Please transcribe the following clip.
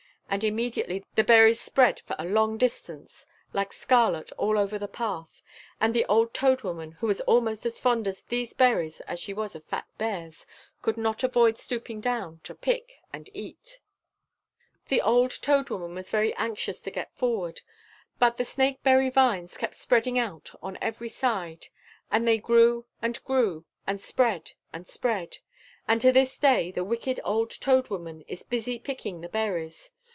And immediately the berries spread for a long distance like scarlet all over the path, and the old Toad Woman, who was almost as fond of these berries as she was of fat bears, could not avoid stooping down to pick and eat. [Illustration: 0165] The old Toad Woman was very anxious to get forward, but the snakeberry vines kept spreading out on every side; and they grew and grew, and spread and spread. And to this day the wicked old Toad Woman is busy picking the berries.